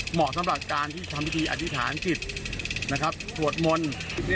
เหมาะสำหรับการที่ทำพิธีอธิษฐานจิตสวดมนต์